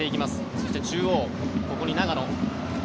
そして中央、ここに長野。